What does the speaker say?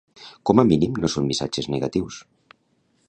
Com a mínim no són missatges negatius.